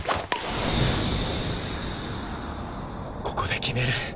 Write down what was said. ここで決める！